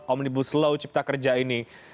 omnibus law cipta kerja ini